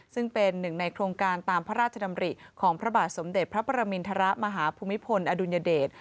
ซึ่งเป็นหนึ่งในโครงการตามพระราชดำริของพระบาทสมเด็จพระประมินทรมาฮภูมิพลอดุลยเดช